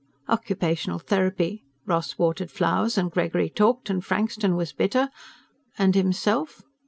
Occupational therapy. Ross watered flowers and Gregory talked and Frankston was bitter and ... himself?